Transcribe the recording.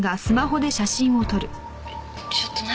ちょっと何？